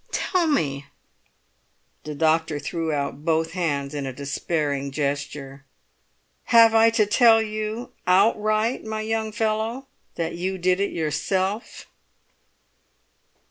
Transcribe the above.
"Tell me." The doctor threw out both hands in a despairing gesture. "Have I to tell you outright, my young fellow, that you did it yourself?"